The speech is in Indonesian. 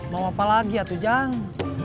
mau apa lagi atu jang